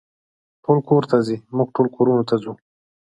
ټول کور ته ځي، موږ ټول کورونو ته ځو.